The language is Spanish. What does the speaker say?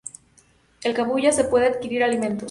En Cabuya se pueden adquirir alimentos.